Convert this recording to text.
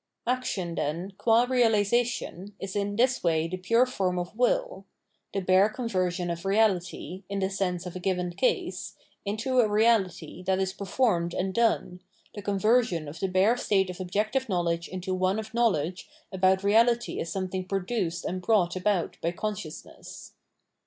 Action, then, qita realisation, is in this way the pure form of will — the bare conversion of reality, in the sense of a given case, into a reality that is performed and done, the conversion of the bare state of objective knowledge into one of knowledge about reality as some thing produced and brought about by consciousness.